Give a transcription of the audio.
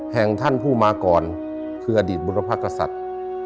แห่งท่านผู้มาก่อนคืออดีตบุรพกษัตริย์